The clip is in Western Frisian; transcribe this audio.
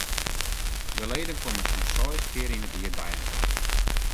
De leden komme sa'n seis kear yn it jier byinoar.